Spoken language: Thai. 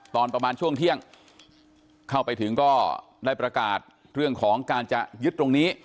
ตอนประมาณช่วงเที่ยงเข้าไปถึงก็ได้ประกาศเรื่องของการจะยึดตรงนี้